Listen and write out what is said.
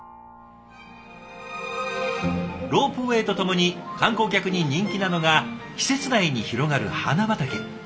ロープウェイとともに観光客に人気なのが施設内に広がる花畑。